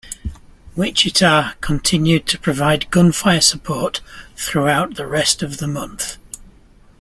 "Wichita" continued to provide gunfire support throughout the rest of the month.